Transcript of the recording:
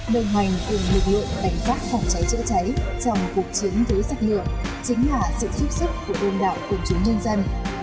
đồng hành từng hợp lượng đánh phát phòng cháy chữa cháy trong cuộc chiến thứ sạc lượng chính là sự giúp sức của đồng đạo quân chủ nhân dân